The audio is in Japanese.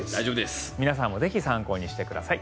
皆さんもぜひ参考にしてください。